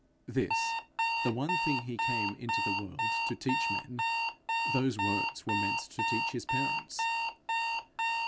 This, the one thing he came into the world to teach men, those words were meant to teach his parents.